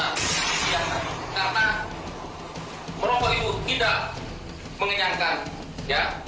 karena merokok itu tidak mengenyangkan